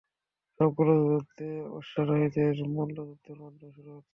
সবগুলো যুদ্ধ অশ্বারোহীদের মল্লযুদ্ধের মাধ্যমে শুরু হত।